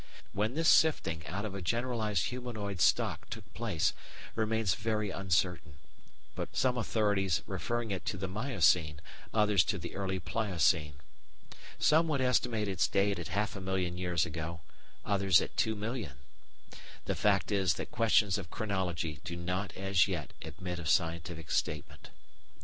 When this sifting out of a generalised humanoid stock took place remains very uncertain, some authorities referring it to the Miocene, others to the early Pliocene. Some would estimate its date at half a million years ago, others at two millions! The fact is that questions of chronology do not as yet admit of scientific statement.